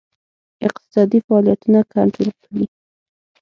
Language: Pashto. اقتصادي فعالیتونه کنټرول کړي.